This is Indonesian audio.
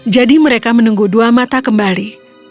jadi mereka menunggu dua mata kembali